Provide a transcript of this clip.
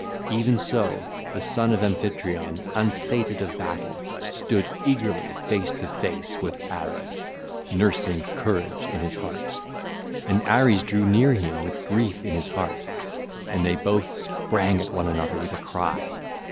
Even so, the son of Amphitryon, unsated of battle, stood eagerly face to face with Ares, nursing courage in his heart. And Ares drew near him with grief in his heart; and they both sprang at one another with a cry.